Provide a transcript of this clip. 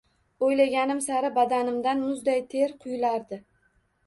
Oʻylaganim sari badanimdan muzday ter quyilardi.